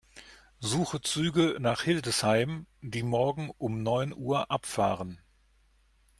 Suche Züge nach Hildesheim, die morgen um neun Uhr abfahren.